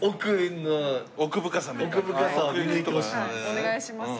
お願いします。